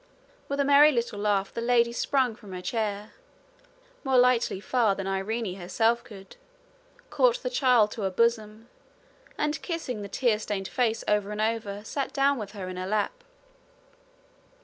With a merry little laugh the lady sprung from her chair, more lightly far than Irene herself could, caught the child to her bosom, and, kissing the tear stained face over and over, sat down with her in her lap.